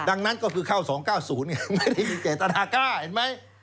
ดังนั้นก็คือเข้า๒๙๐ไงไม่ได้มีเจตนากล้าเห็นไหม